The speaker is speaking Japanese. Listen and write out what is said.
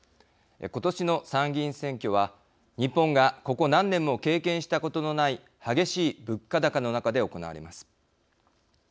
ことしの参議院選挙は、日本がここ何年も経験したことのない激しい物価高の中で行われます。